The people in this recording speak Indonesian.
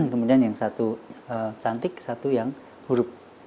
kemudian yang satu cantik satu yang huruf